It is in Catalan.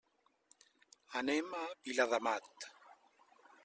Anem a Viladamat.